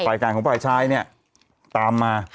การของฝ่ายชายเนี่ยตามมา